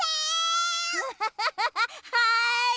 はい！